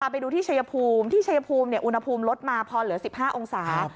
ไปดูที่ชัยภูมิที่ชัยภูมิอุณหภูมิลดมาพอเหลือ๑๕องศา